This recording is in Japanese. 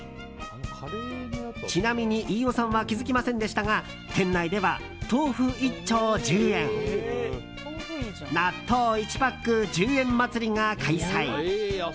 ちなみに飯尾さんは気づきませんでしたが店内では豆腐１丁１０円納豆１パック１０円祭りが開催。